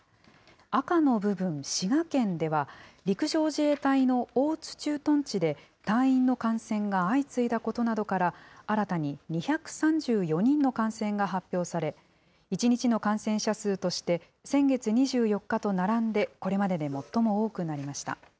赤の部分、滋賀県では、陸上自衛隊の大津駐屯地で、隊員の感染が相次いだことなどから、新たに２３４人の感染が発表され、１日の感染者数として、先月２４日と並んで、これまでで最も多くなりました。